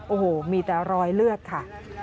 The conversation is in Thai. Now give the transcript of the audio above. โอ้โหมีแต่รอยเลือดค่ะ